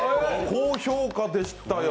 高評価でしたよ。